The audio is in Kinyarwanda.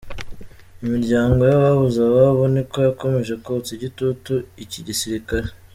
Imiryango y’ababuze ababo niko yakomeje kotsa igitutu iki gisirikare.